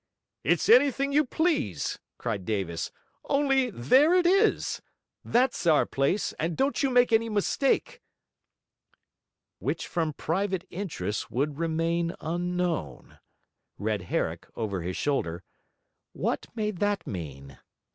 'It's anything you please,' cried Davis, 'only there it is! That's our place, and don't you make any mistake.' "'Which from private interests would remain unknown,"' read Herrick, over his shoulder. 'What may that mean?'